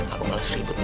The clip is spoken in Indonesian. aku malas ribut ma